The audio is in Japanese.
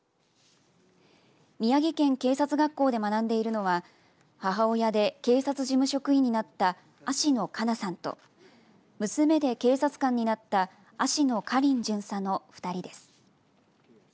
宮城県警察学校で学んでいるのは母親で警察事務職員になった芦野花奈さんと娘で警察官になった芦野花梨巡査の２人です。